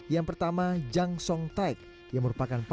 yang pertama jang song taek